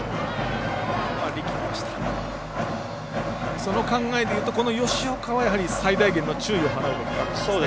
その考えでいうとこの吉岡はやはり最大限の注意を払うべきなんですね。